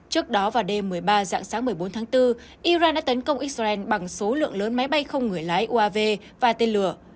trước đó vào đêm một mươi ba dạng sáng một mươi bốn tháng bốn iran đã tấn công israel bằng số lượng lớn máy bay không người lái uav và tên lửa